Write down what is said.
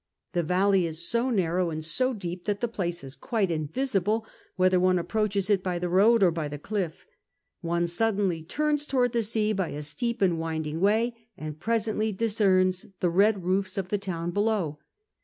The valley is so narrow and so deep I TMii STAITMES 1 that the place is quite invisible, whether one approaches it by the road or by the cliff. One suddenly turns towards the sea by a steep and winding way and presently discerns the red roofs of the town below.